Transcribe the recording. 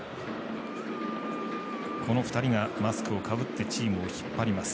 この２人がマスクをかぶってチームを引っ張ります。